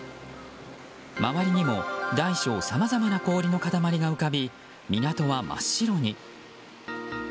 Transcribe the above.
周りにも大小さまざまな氷の塊が浮かび港は真っ白に。